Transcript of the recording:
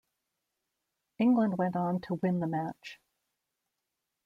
England went on to win the match.